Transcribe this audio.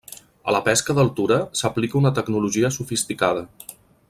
A la pesca d'altura s'aplica una tecnologia sofisticada.